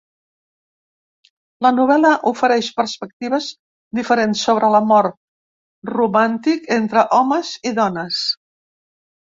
La novel·la ofereix perspectives diferents sobre l’amor romàntic entre homes i dones.